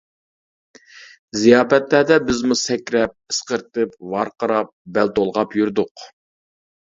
زىياپەتلەردە بىزمۇ سەكرەپ، ئىسقىرتىپ، ۋارقىراپ، بەل تولغاپ. يۈردۇق.